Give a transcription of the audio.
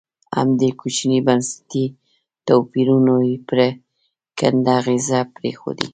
همدې کوچنیو بنسټي توپیرونو پرېکنده اغېزې پرېښودې.